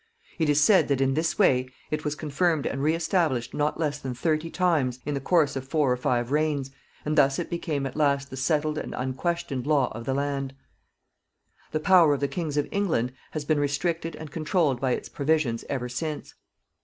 It is said that in this way it was confirmed and re established not less than thirty times in the course of four or five reigns, and thus it became at last the settled and unquestioned law of the land. The power of the kings of England has been restricted and controlled by its provisions ever since.